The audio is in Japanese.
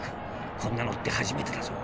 こんなのって初めてだぞ。